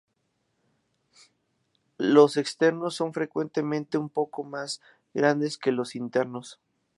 Los externos son frecuentemente un poco más grandes que los internos.